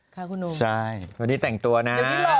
ค่ะคุณโอมสวัสดีสวัสดีแต่งตัวนะ